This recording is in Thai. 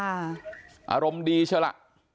อารมณ์ดีเฉล่ะ